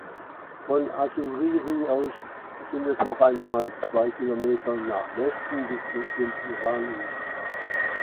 Von "Asuriri" aus sind es noch einmal zwei Kilometer nach Westen bis "Quinturani".